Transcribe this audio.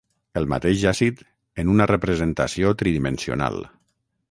El mateix àcid en una representació tridimensional.